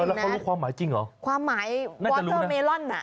แล้วเขารู้ความหมายจริงเหรอความหมายวอเตอร์เมลอนอ่ะ